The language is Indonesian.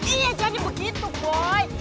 iya jadi begitu boy